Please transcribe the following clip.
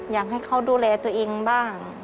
อยากให้เขาดูแลตัวเองบ้าง